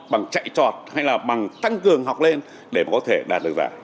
bằng chạy trọt hay là bằng tăng cường học lên để có thể đạt được vào